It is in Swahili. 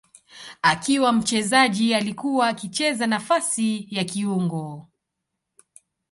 Akiwa mchezaji alikuwa akicheza nafasi ya kiungo.